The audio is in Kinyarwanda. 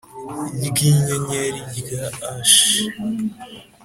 ry inyenyeri rya Ashi